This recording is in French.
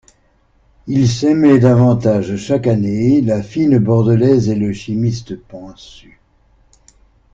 Ils s'aimaient davantage, chaque année, la fine Bordelaise et le chimiste pansu.